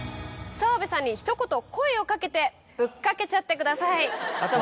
澤部さんにひと言声を掛けてぶっかけちゃってください。